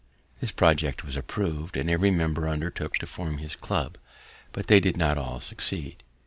The project was approv'd, and every member undertook to form his club, but they did not all succeed.